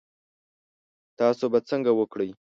تاسو به څنګه وکړی؟